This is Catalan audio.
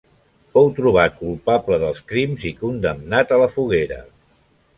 Fou trobat culpable dels crims i condemnat a la foguera.